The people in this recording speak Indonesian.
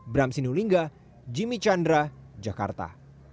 bram sinulinga jimmy chandra jakarta